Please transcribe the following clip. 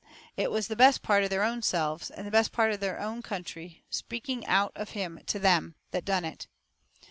It was the best part of their own selves, and the best part of their own country, speaking out of him to them, that done it.